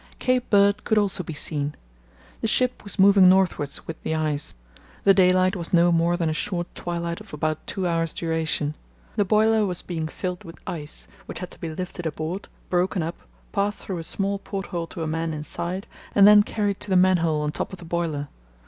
Cape Bird could also be seen. The ship was moving northwards with the ice. The daylight was no more than a short twilight of about two hours' duration. The boiler was being filled with ice, which had to be lifted aboard, broken up, passed through a small porthole to a man inside, and then carried to the manhole on top of the boiler.